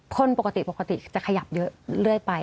คนปกติจะขยับเรื่อยไป